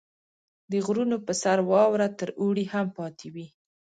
• د غرونو په سر واوره تر اوړي هم پاتې وي.